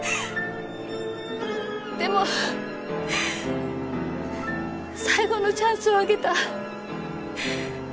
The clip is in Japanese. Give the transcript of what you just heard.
でも最後のチャンスをあげた。